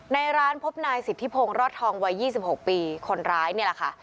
ในร้านพบนายสิทธิพงศ์รอดทองวัย๒๖ปีคนร้ายนี่แหละค่ะ